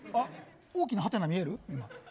大きな旗が見える。